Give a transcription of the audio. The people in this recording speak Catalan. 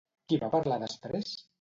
Qui va palar després?